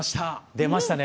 出ましたね。